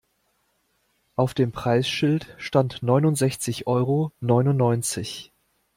Auf dem Preisschild stand neunundsechzig Euro neunundneunzig.